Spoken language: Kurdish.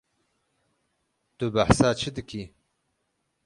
Tu behsa çi dikî?